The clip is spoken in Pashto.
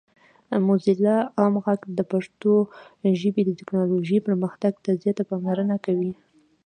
موزیلا عام غږ د پښتو ژبې د ټیکنالوجۍ پرمختګ ته زیاته پاملرنه کوي.